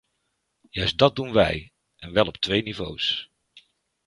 Juist dat doen wij, en wel op twee niveaus.